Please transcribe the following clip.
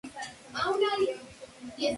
La animadversión entre ambas es notoria, y Mrs.